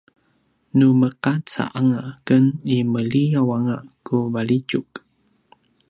nu meqaca anga ken i meliyaw anga ku valjitjuq